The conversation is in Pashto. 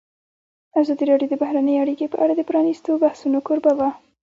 ازادي راډیو د بهرنۍ اړیکې په اړه د پرانیستو بحثونو کوربه وه.